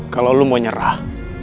kalau lu mau nyerah